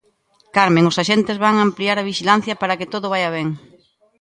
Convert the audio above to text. Carmen, os axentes van ampliar a vixilancia para que todo vaia ben.